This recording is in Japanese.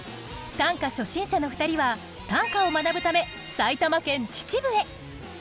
短歌初心者の２人は短歌を学ぶため埼玉県秩父へ。